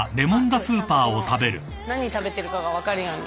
ちゃんと何食べてるかが分かるように。